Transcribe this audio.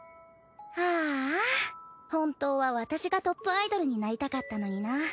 あぁ本当は私がトップアイドルになりたかったのになぁ。